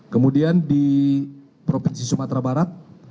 kemudian di provinsi sumatera barat